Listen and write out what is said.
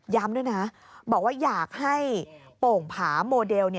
ด้วยนะบอกว่าอยากให้โป่งผาโมเดล